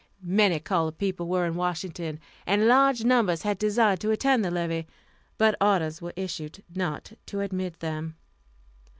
Many colored people were in Washington, and large numbers had desired to attend the levee, but orders were issued not to admit them.